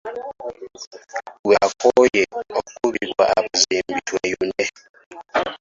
Ggwe akooye okubbibwa abazimbi tweyune.